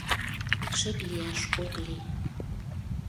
ШЫП ЛИЯШ ОК ЛИЙ